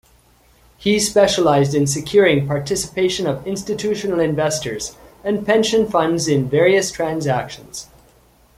He specialized in securing participation of institutional investors and pension funds in various transactions.